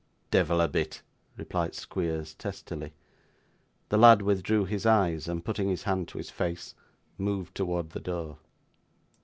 'Devil a bit,' replied Squeers testily. The lad withdrew his eyes, and, putting his hand to his face, moved towards the door.